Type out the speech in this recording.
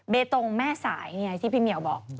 เบตงแม่สายไงที่พี่เหมียวบอก